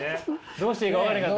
どうしていいか分からなかった。